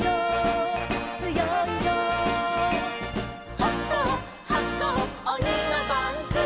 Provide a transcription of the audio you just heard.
「はこうはこうおにのパンツ」